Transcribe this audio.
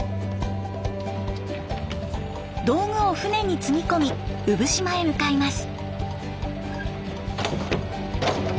道具を船に積み込み産島へ向かいます。